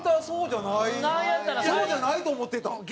そうじゃないと思ってた。